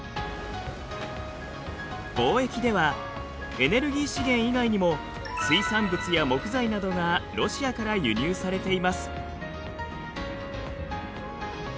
貿易ではエネルギー資源以外にも水産物や木材などがロシアから輸入されています。